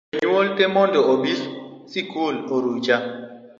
Jonyuol tee mondo obi sikul orucha